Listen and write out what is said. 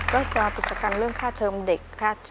ก็จะกิจกรรมเรื่องค่าเทอมเด็ก